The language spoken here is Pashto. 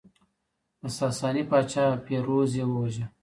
د ساساني پاچا پیروز یې وواژه